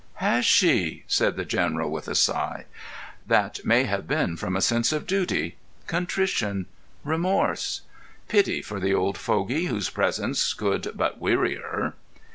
"Has she?" said the General, with a sigh. "That may have been from a sense of duty—contrition—remorse. Pity for the old fogey whose presence could but weary her."